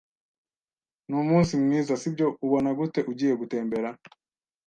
Numunsi mwiza, sibyo? Ubona gute ugiye gutembera?